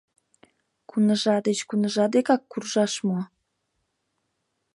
Куныжа деч куныжа декак куржаш мо?